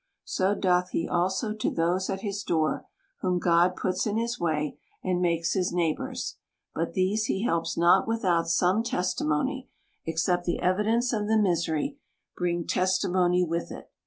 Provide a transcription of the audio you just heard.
So doth he also to those at his door ; whom God puts in his way, and makes his neighbors. But these he helps not without some testi mony, except the evidence of the misery bring testi mony with it.